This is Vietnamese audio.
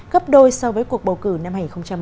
gấp đôi so với cuộc bầu cử năm hai nghìn một mươi